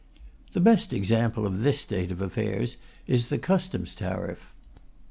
The best example of this state of affairs is the Customs tariff.